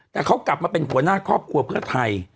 แต่เขากลับมาเป็นหัวหน้าครอบครัวเพื่อไทย